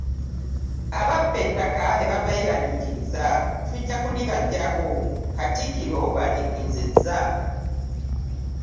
Ababba ettaka tebabeeraliikiriza tujja kulibaggyako, katikkiro bw'ategeezezza